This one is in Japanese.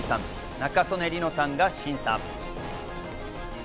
仲宗根梨乃さんが審査。